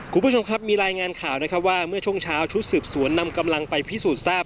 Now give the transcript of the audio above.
คุณผู้ชมครับมีรายงานข่าวนะครับว่าเมื่อช่วงเช้าชุดสืบสวนนำกำลังไปพิสูจน์ทราบ